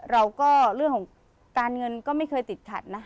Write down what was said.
เรื่องของการเงินก็ไม่เคยติดขัดนะ